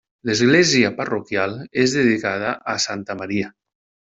L'església parroquial és dedicada a santa Maria.